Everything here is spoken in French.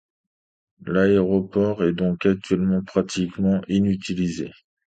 L'aéroport est donc actuellement pratiquement inutilisé.